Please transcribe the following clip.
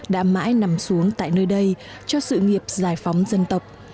đã mãi nằm xuống tại nơi đây cho sự nghiệp giải phóng dân tộc